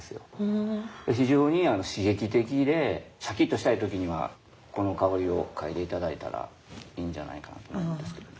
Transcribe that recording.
非常に刺激的でシャキッとしたい時にはこの香りを嗅いで頂いたらいいんじゃないかと思うんですけど。